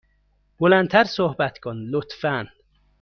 بلند تر صحبت کن، لطفا.